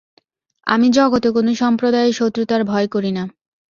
আমি জগতে কোন সম্প্রদায়ের শত্রুতার ভয় করি না।